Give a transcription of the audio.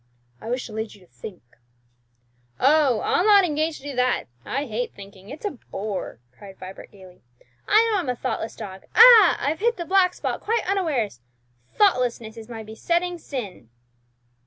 I wish to lead you to think." "Oh, I'll not engage to do that! I hate thinking; it's a bore!" cried Vibert gaily. "I know I'm a thoughtless dog, ah, I've hit the 'black spot' quite unawares! Thoughtlessness is my besetting sin!"